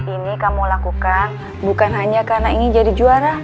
ini kamu lakukan bukan hanya karena ingin jadi juara